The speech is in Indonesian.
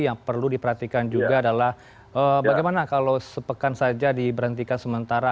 yang perlu diperhatikan juga adalah bagaimana kalau sepekan saja diberhentikan sementara